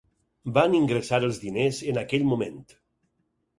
Van ingressar els diners en aquell moment.